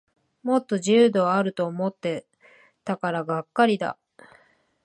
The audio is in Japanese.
もっと自由度あると思ってたからがっかりだ